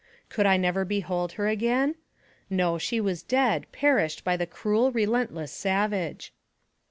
Could I never behold her again ? No ; she was dead, perished by the cruel, relentless savage.